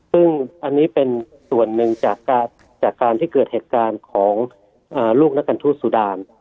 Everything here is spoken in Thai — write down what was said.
ซึ่งอันนี้เป็นส่วนหนึ่งจากการที่เกิดเหตุการณ์ของลูกนักกันทูตสุดาน